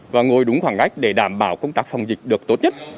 và ngồi đúng khoảng cách để đảm bảo công tác phòng dịch được tốt nhất